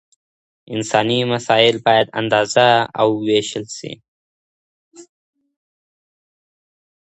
انساني مسایل باید اندازه او وېشل سي.